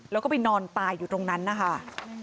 แล้วก็ไปนอนตายอยู่ตรงนั้นนะคะ